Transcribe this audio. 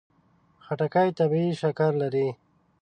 خټکی طبیعي شکر لري.